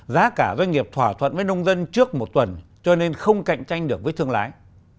giá cả doanh nghiệp thỏa thuận với nông dân trước một tuần cho nên không cạnh tranh được với thương lái